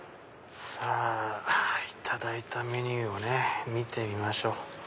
さぁ頂いたメニューを見てみましょう。